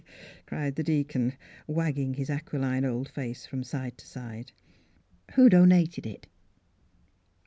cried the deacon, wagging his aquiline old face from side to side. "Who donated it?"